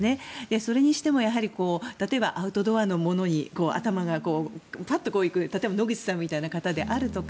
それにしてもアウトドアのものに頭がパッと行く例えば野口さんみたいな方であるとか